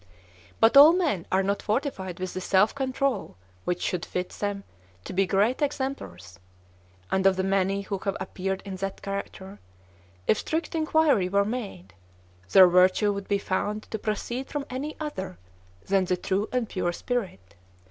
"But all men are not fortified with the self control which should fit them to be great exemplars; and of the many who have appeared in that character, if strict inquiry were made, their virtue would be found to proceed from any other than the true and pure spirit.